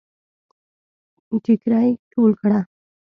ټيکړی ټول کړه